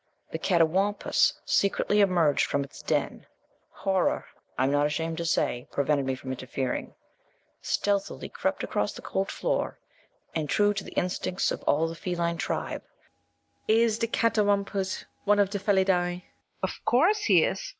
The catawampuss secretly emerged from its den horror, I am not ashamed to say, prevented me from interfering stealthily crept across the cold floor, and, true to the instincts of all the feline tribe, made straight for the water. Is the catawampuss one of the Felidæ? PUBLISHER. Of course he is.